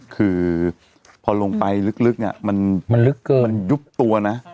คือพอลงไปลึกเนี่ยมันลึกเกินมันยุบตัวนะ